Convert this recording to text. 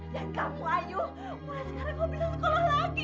dan kamu ayo mulai sekarang kamu bisa sekolah lagi